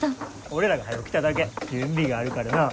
俺らがはよ来ただけ。準備があるからな。